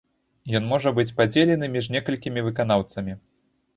Ён можа быць падзелены між некалькімі выканаўцамі.